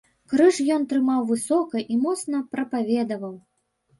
Крыж ён трымаў высока і моцна прапаведаваў.